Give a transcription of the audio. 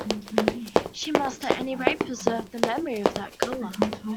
She must at any rate preserve the memory of that colour.